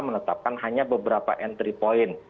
menetapkan hanya beberapa entry point